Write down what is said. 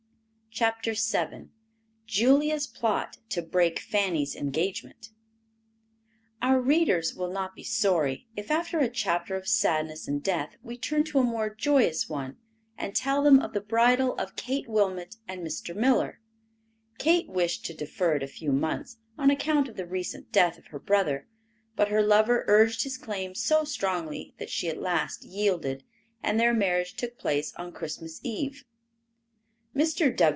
CHAPTER VII JULIA'S PLOT TO BREAK FANNY'S ENGAGEMENT Our readers will not be sorry, if after a chapter of sadness and death, we turn to a more joyous one, and tell them of the bridal of Kate Wilmot and Mr. Miller. Kate wished to defer it a few months, on account of the recent death of her brother, but her lover urged his claim so strongly that she at last yielded, and their marriage took place on Christmas eve. Mr.